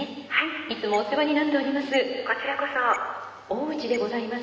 いつもお世話になっております。